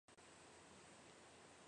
另外还与云南大理国关系密切。